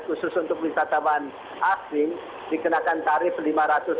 khusus untuk wisatawan asing dikenakan tarif lima ratus dolar as